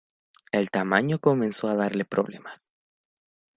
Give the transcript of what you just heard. El tamaño comenzó a darle problemas.